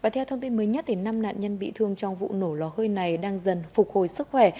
theo thông tin mới nhất năm nạn nhân bị thương trong vụ nổ lò hơi này đang dần phục hồi sức khỏe